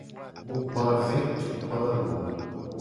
Mu gba vetukpa a o loo.